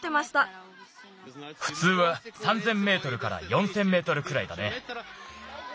ふつうは３，０００メートルから４，０００メートルくらいだね。